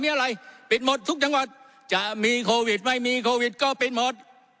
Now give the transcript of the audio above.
มีอะไรปิดหมดทุกจังหวัดจะมีโควิดไม่มีโควิดก็ปิดหมด